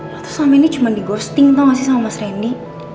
lu tuh selama ini cuma dighosting tau gak sih sama mas ren di